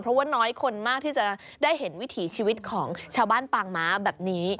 เพราะว่าน้อยคนมากที่จะได้เห็นวิถีชีวิตของชาวบ้านปางม้าแบบนี้